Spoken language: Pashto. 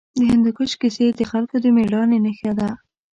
د هندوکش کیسې د خلکو د مېړانې نښه ده.